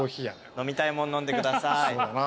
飲みたいもん飲んでください。